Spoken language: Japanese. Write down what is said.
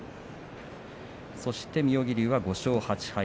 そして妙義龍は５勝８敗。